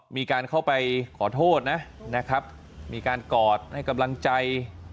มีการเข้าไปขอโทษนะครับมีการกอดให้กำลังใจ